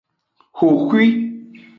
Xoxwi.